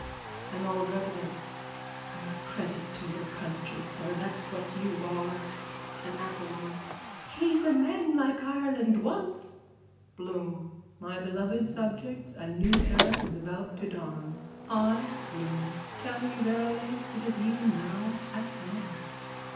AN OLD RESIDENT: You're a credit to your country, sir, that's what you are. AN APPLEWOMAN: He's a man like Ireland wants. BLOOM: My beloved subjects, a new era is about to dawn. I, Bloom, tell you verily it is even now at hand.